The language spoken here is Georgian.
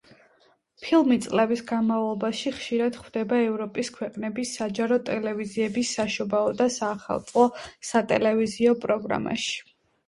ფილმი წლების განმავლობაში ხშირად ხვდება ევროპის ქვეყნების საჯარო ტელევიზიების საშობაო და საახალწლო სატელევიზიო პროგრამაში.